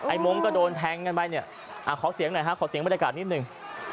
มงค์ก็โดนแทงกันไปเนี่ยขอเสียงหน่อยฮะขอเสียงบรรยากาศนิดหนึ่ง